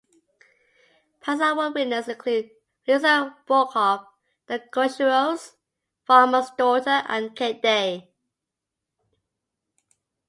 Past award winners include Lisa Brokop, The Cruzeros, Farmer's Daughter, and k.d.